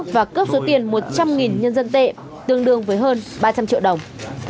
và cướp số tiền một trăm linh nhân dân tệ tương đương với hơn ba trăm linh triệu đồng